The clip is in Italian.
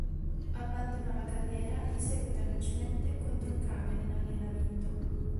Abbandonò la carriera in seguito a un incidente contro un camion in allenamento.